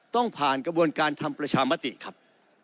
ต้องผ่านกระบวนการทำประชามติครับ